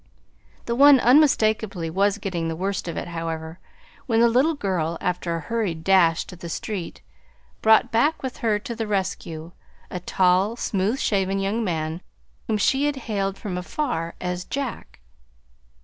The one unmistakably was getting the worst of it, however, when the little girl, after a hurried dash to the street, brought back with her to the rescue a tall, smooth shaven young man whom she had hailed from afar as "Jack."